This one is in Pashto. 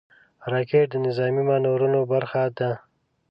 راکټ د نظامي مانورونو برخه ده